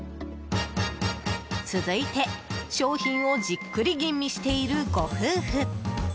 続いて、商品をじっくり吟味しているご夫婦。